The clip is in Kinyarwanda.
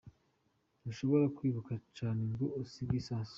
"Ntushobora kwiruka cyane ngo usige isasu.